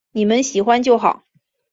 妳们喜欢就好